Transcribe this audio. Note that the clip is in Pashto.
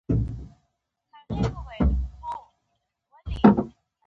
د زورورو اوبه د پولې په هغه پېچومي خېژي